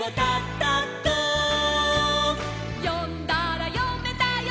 「よんだらよめたよ」